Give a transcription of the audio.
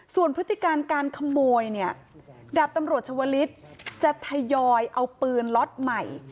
ส่วนพฤติการการขโมยเนี่ยดาบตำรวจชวลิศจะทยอยเอาปืนล็อตใหม่